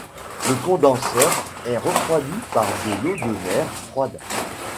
Le condenseur est refroidi par de l'eau de mer froide.